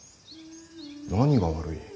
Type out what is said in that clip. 何が悪い。